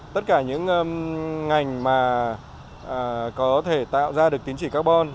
tất cả những ngành mà có thể tạo ra được tín chỉ carbon